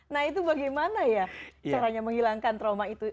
nah itu bagaimana ya caranya menghilangkan trauma itu